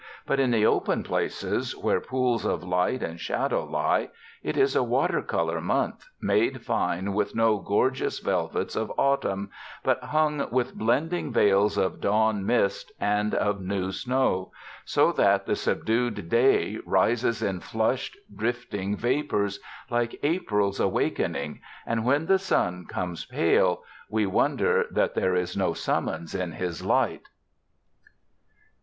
But in the open places, where pools of light and shadow lie, it is a water color month, made fine with no gorgeous velvets of autumn, but hung with blending veils of dawn mist and of new snow, so that the subdued day rises in flushed, drifting vapors, like April's awakening, and when the sun comes, pale, we wonder that there is no summons in his light.